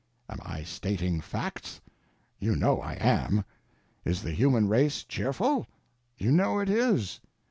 _Am I stating facts? You know I am. Is the human race cheerful? You know it is.